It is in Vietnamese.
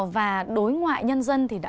và đối ngoại nhân dân thì đã